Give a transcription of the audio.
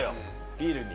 ビールに。